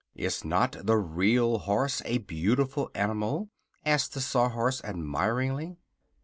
"Is not the Real Horse a beautiful animal?" asked the Sawhorse admiringly.